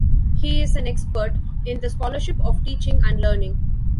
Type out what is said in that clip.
He is an expert in the Scholarship of Teaching and Learning.